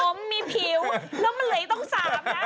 มีผมมีผิวแล้วเมล็ดต้อง๓นะ